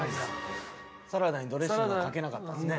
サラダにドレッシングをかけなかったんですね。